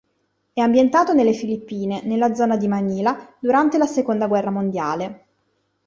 È ambientato nelle Filippine, nella zona di Manila, durante la seconda guerra mondiale.